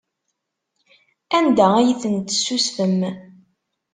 Anda ay ten-tessusfem?